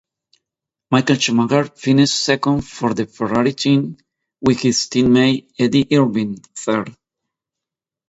Michael Schumacher finished second for the Ferrari team with his teammate Eddie Irvine third.